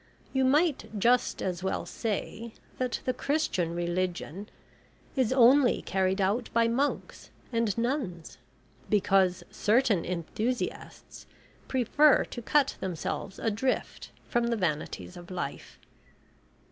You might just as well say that the Christian religion is only carried out by monks and nuns, because certain enthusiasts prefer to cut themselves adrift from the vanities of life.